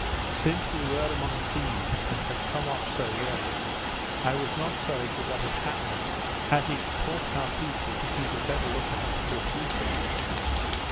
Since we were among thieves, and had come off so well, I was not sorry for what had happened, as it taught our people to keep a better lookout for the future.